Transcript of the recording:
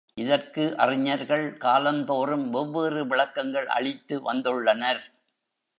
இதற்கு அறிஞர்கள் காலந்தோறும் வெவ்வேறு விளக்கங்கள் அளித்து வந்துள்ளனர்.